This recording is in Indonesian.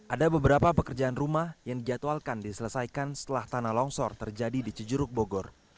ada beberapa pekerjaan rumah yang dijadwalkan diselesaikan setelah tanah longsor terjadi di cijuruk bogor